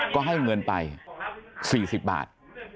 ก็ให้เงินไป๔๐บาท